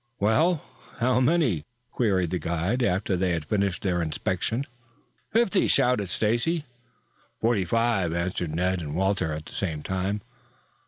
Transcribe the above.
"Well, how many?" queried the guide, after they had finished their inspection. "Fifty!" shouted Stacy. "Forty five!" answered Ned and Walter at the same time.